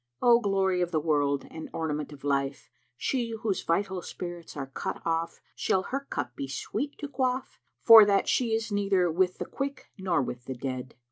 *O glory of the world and Ornament of life, she whose vital spirits are cut off shall her cup be sweet to quaff? * For that she is neither with the quick nor with the dead."